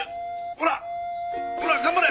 ほらほら頑張れ！